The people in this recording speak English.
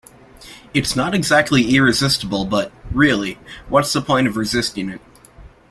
It's not exactly irresistible, but, really, what's the point of resisting it?